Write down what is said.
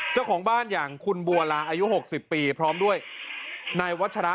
เจ้าของบ้านอย่างคุณบัวลาอายุ๖๐ปีพร้อมด้วยนายวัชระ